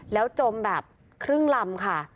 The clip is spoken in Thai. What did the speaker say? แล้วจมแบบครึ่งลำค่ะ